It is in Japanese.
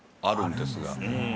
あるんですね。